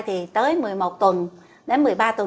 thì tới một mươi một tuần đến một mươi ba tuần